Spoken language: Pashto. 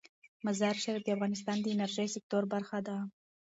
مزارشریف د افغانستان د انرژۍ سکتور برخه ده.